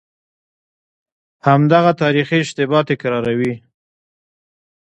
همدغه تاریخي اشتباه تکراروي.